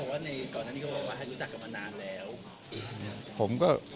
ผมก็รู้จักพวกคุณนานแล้วผมก็พูดได้